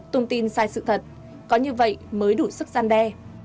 thông tin sai sự thật có như vậy mới đủ sức gian đe